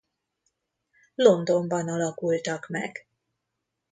Londonban alakultak meg.